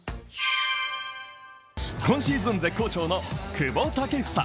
今シーズン絶好調の久保建英。